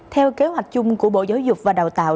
theo kế hoạch chung của bộ giáo dục và đào tạo